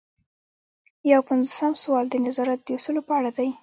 یو پنځوسم سوال د نظارت د اصولو په اړه دی.